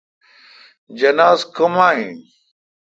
جناز کوما این۔